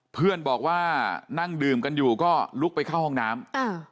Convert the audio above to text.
เพื่อนบอกว่านั่งดื่มกันอยู่ก็ลุกไปเข้าห้องน้ำ